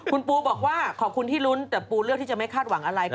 คุณปูบอกว่าขอบคุณที่ลุ้นแต่ปูเลือกที่จะไม่คาดหวังอะไร